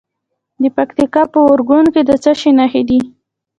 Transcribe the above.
د پکتیکا په اورګون کې د څه شي نښې دي؟